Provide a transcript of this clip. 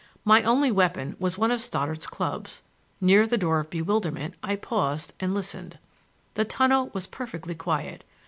My only weapon was one of Stoddard's clubs. Near the Door of Bewilderment I paused and listened. The tunnel was perfectly quiet.